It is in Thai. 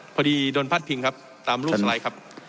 พอดีโดนพัดพิงครับตามรูปสไลด์ครับ